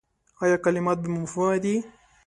ایا کلمات بې مفهومه دي ؟